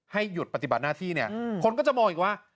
หยุดปฏิบัติหน้าที่เนี่ยคนก็จะมองอีกว่า